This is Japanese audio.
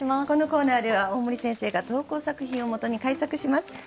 このコーナーでは大森先生が投稿作品を元に改作します。